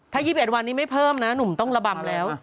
ถ้า๒๑วันนี้ไม่เพิ่มนะหนุ่มต้องระบำแล้ว